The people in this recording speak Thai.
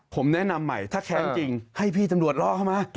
ผมแนะนำใหม่ถ้าแค้นจริงให้พี่ตำรวจล่อเข้ามา